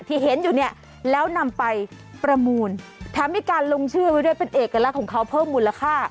ที่เห็นอยู่เนี่ยแล้วนำไปประมูลแถมมีการลงชื่อไว้ด้วยเป็นเอกลักษณ์ของเขาเพิ่มมูลค่า